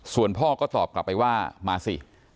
ส่วนพ่อก็ตอบกลับไปว่ามาสิ